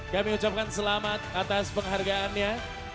kami ucapkan selamat atas penghargaannya